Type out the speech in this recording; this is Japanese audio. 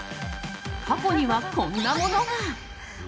過去には、こんなものが。